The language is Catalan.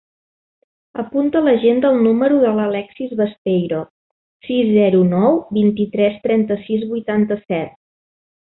Apunta a l'agenda el número de l'Alexis Besteiro: sis, zero, nou, vint-i-tres, trenta-sis, vuitanta-set.